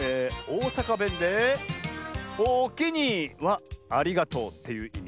おおさかべんで「おおきに」は「ありがとう」っていういみ。